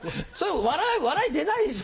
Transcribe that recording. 笑い出ないでしょ？